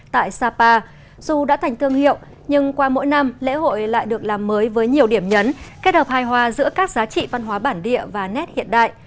tại sapa dù đã thành thương hiệu nhưng qua mỗi năm lễ hội lại được làm mới với nhiều điểm nhấn kết hợp hài hòa giữa các giá trị văn hóa bản địa và nét hiện đại